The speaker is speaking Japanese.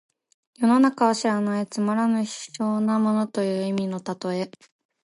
世の中を知らないつまらぬ卑小な者という意味の例え。